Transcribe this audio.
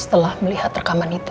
setelah melihat rekaman itu